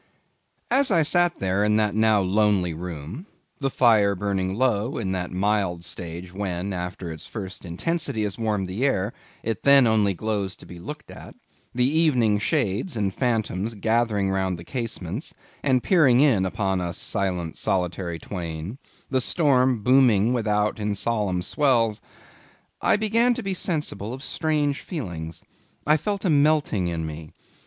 As I sat there in that now lonely room; the fire burning low, in that mild stage when, after its first intensity has warmed the air, it then only glows to be looked at; the evening shades and phantoms gathering round the casements, and peering in upon us silent, solitary twain; the storm booming without in solemn swells; I began to be sensible of strange feelings. I felt a melting in me.